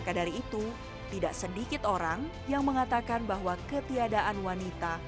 maka dari itu tidak sedikit orang yang mengatakan bahwa ketiadaan wanita